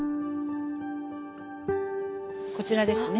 こちらですね